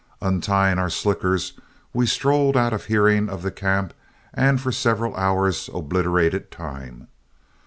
Untying our slickers, we strolled out of hearing of the camp, and for several hours obliterated time.